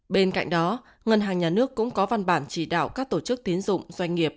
bên cạnh đó ngân hàng nhà nước cũng có văn bản chỉ đạo các tổ chức tiến dụng doanh nghiệp